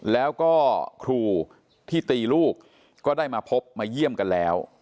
แล้วก็ครูที่ตีลูกก็ได้มาพบมาเยี่ยมกันแล้ว